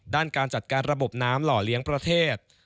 ด้านการจัดการระบบน้ำหล่อเลี้ยงประเทศ